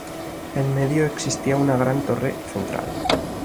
En medio existía una gran torre central.